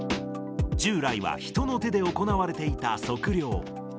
従来は人の手で行われていた測量。